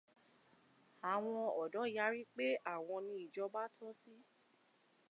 Àwọn ọ̀dọ́ yarí pé àwọn ni ìjọba tọsí.